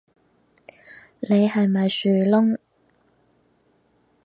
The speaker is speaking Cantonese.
你係咪樹窿